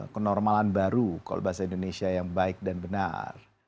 kenormalan baru kalau bahasa indonesia yang baik dan benar